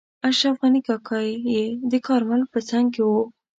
اشرف غني کاکا یې د کارمل په څنګ کې وو.